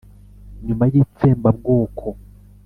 nyuma y'itsembabwoko.